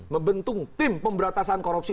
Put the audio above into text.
membentuk tim pemberantasan korupsi